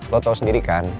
lo tau sendiri kan